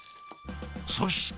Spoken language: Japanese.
そして。